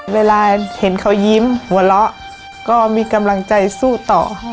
เวลาเห็นเขายิ้มหัวเราะก็มีกำลังใจสู้ต่อ